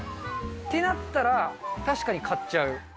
ってなったら、確かに買っちゃう。